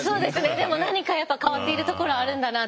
でも何か変わっているところはあるんだなって。